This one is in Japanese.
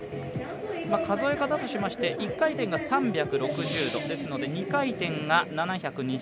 数え方としまして１回転が３６０度、ですので、２回転が７２０。